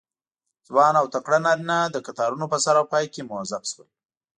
ځوان او تکړه نارینه د کتارونو په سر او پای کې موظف شول.